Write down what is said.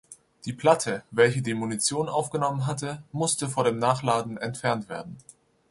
Die Platte, welche die Munition aufgenommen hatte, musste vor dem Nachladen entfernt werden.